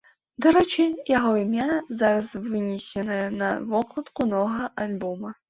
Дарэчы, яго імя зараз вынесенае на вокладку новага альбома.